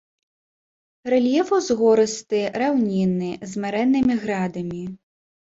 Рэльеф узгорысты раўнінны з марэннымі градамі.